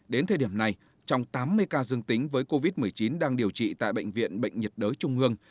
đến thời điểm này trong tám mươi ca dương tính với covid một mươi chín đang điều trị tại bệnh viện bệnh nhiệt đới trung hương